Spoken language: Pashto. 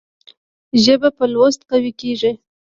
ژبه په لوست قوي کېږي.